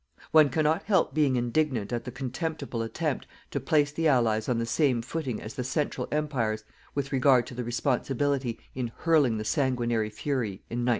One cannot help being indignant at the contemptible attempt to place the Allies on the same footing as the Central Empires with regard to the responsibility in hurling the sanguinary fury in 1914.